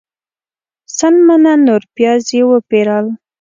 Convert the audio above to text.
سل منه نور پیاز یې وپیرل.